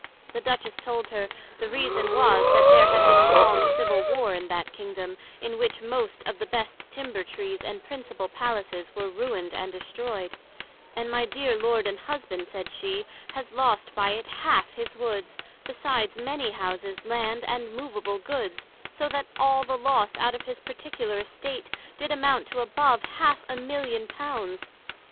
The Duchess told her, The reason was, that there had been a long Civil Warr in that Kingdom, in which most of the best Timber trees and Principal Palaces were ruined and destroyed; and my dear Lord and Husband, said she, has lost by it half his Woods, besides many Houses, Land, and movable Goods; so that all the loss out of his particular Estate, did amount to above Half a Million of Pounds.